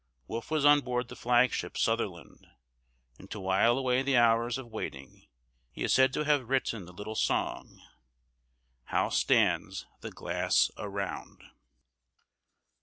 Wolfe was on board the flagship Sutherland, and to while away the hours of waiting he is said to have written the little song, "How Stands the Glass Around?"